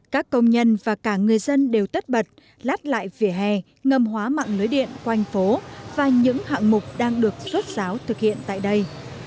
các công nhân và cả người dân đều tất bật lát lại vỉa hè ngầm hóa mạng lưới điện quanh phố và những hạng mục đang được rốt giáo thực hiện tại đây